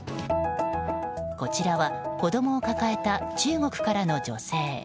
こちらは子供を抱えた中国からの女性。